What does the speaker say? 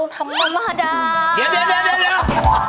ทำจะมหดาเดี๋ยว